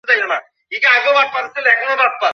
কিন্তু আমি লক্ষ্মী মেয়ে।